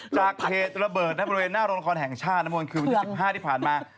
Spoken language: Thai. จากเคสระเบิดในบริเวณหน้าโรงละครแห่งชาติคือวันที่๑๕ที่ผ่านมา